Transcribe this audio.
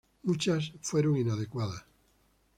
Muchas fueron inadecuadas.